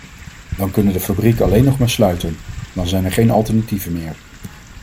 Dan kunnen de fabrieken alleen nog maar sluiten, dan zijn er geen alternatieven meer.